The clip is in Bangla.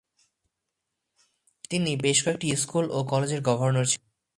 তিনি বেশ কয়েকটি স্কুল ও কলেজের গভর্নর ছিলেন।